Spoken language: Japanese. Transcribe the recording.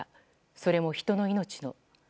それも人の命の。